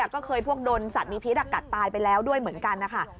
ก็เคยพวกโดนสัตว์มีพิษกัดตายไปแล้วด้วยเหมือนกันนะคะ